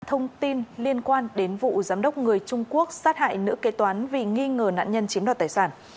thông tin liên quan đến vụ giám đốc người trung quốc sát hại nữ kế toán vì nghi ngờ nạn nhân chiếm đoạt tài sản